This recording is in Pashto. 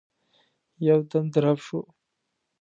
يودم درب شو.